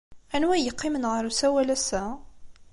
Anwa ay yeqqimen ɣer usawal ass-a?